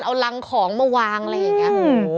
เอารังของมาวางอะไรอย่างนี้